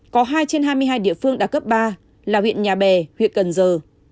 có hai trên hai mươi hai địa phương đạt cấp ba là huyện nhạc bè huyện cần giờ